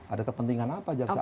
ada kepentingan apa jaksa agung